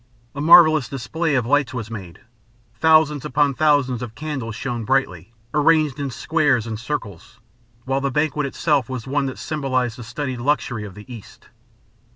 A marvelous display of lights was made. Thousands upon thousands of candles shone brilliantly, arranged in squares and circles; while the banquet itself was one that symbolized the studied luxury of the East.